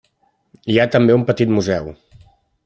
Hi ha també un petit museu.